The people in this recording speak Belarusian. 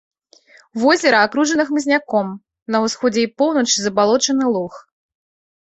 Возера акружана хмызняком, на ўсходзе і поўначы забалочаны луг.